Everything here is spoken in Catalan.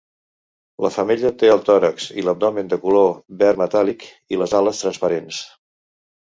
La femella té el tòrax i l’abdomen de color verd metàl·lic i les ales transparents.